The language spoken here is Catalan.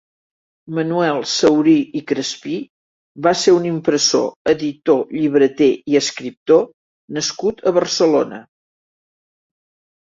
Manuel Saurí i Crespí va ser un impressor, editor, llibreter i escriptor nascut a Barcelona.